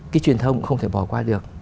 cái truyền thông không thể bỏ qua được